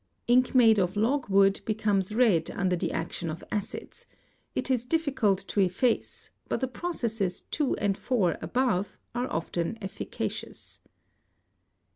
Ink made of logwood becomes red under the action of acids; it is difficult to efface, but the processes (2) and (4) above are often efficacious.